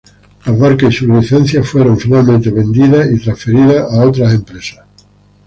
Las barcas y sus licencias fueron finalmente vendidas y transferidas a otras empresas.